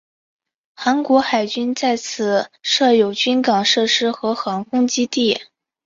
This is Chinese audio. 韩国海军在此设有军港设施和航空基地。